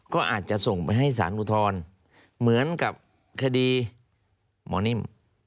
ก็อาจจะส่งไปให้สารอุทธรณ์เหมือนกับคดีหมอนิ่ม